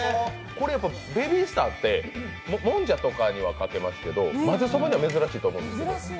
これ、ベビースターってもんじゃとかにはかけますけど、まぜそばには珍しいと思うんですけど？